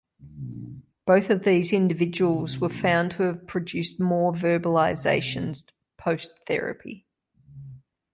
Both of these individuals were found to have produced more verbalizations post-therapy.